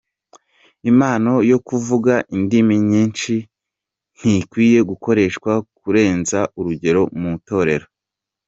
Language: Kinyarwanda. Impano yo kuvuga indimi nyinshi ntikwiye gukoreshwa kurenza urugero mu Itorero.